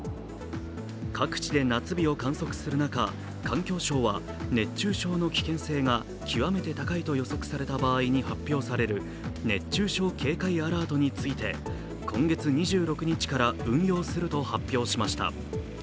各地で夏日を観測する中、環境省は熱中症の危険性が極めて高いと予測された場合に発表される熱中症警戒アラートについて今月２６日から運用すると発表しました。